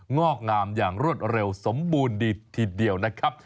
งอกงามอย่างรวดเร็วสมบูรณ์ดีทีเดียวนะครับ